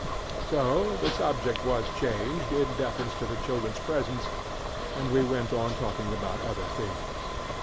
So the subject was changed in deference to the children's presence, and we went on talking about other things.